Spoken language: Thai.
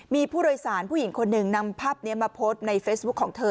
มีผู้โดยสารผู้หญิงคนหนึ่งนำภาพนี้มาโพสต์ในเฟซบุ๊คของเธอ